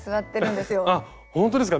あほんとですか。